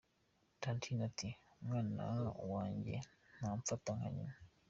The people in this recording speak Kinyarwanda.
Tantine ati: “Umwana wanjye ntamfata nka nyina.